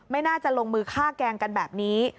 ไม่น่าจะลงมือฆ่าแกล้งกันแบบนี้